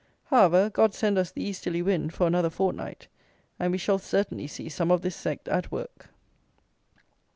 However, GOD send us the easterly wind, for another fortnight, and we shall certainly see some of this sect at work.